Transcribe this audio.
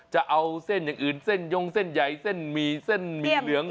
จะเอาเส้นอย่างอื่นเส้นยงเส้นใหญ่เส้นหมี่เส้นหมี่เหลือง